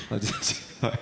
はい。